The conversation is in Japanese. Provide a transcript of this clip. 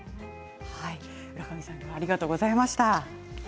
浦上さんありがとうございました。